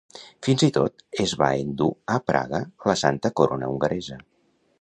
Fins i tot es va endur a Praga la Santa Corona hongaresa.